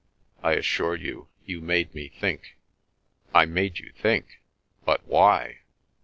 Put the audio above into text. I assure you, you made me think." "I made you think! But why?"